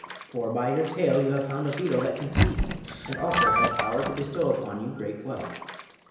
For by your tale you have found a beetle that can speak and also has power to bestow upon you great wealth."